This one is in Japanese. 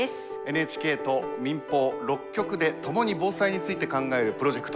ＮＨＫと民放６局でともに防災について考えるプロジェクト。